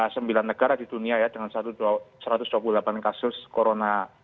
sembilan negara di dunia ya dengan satu ratus dua puluh delapan kasus corona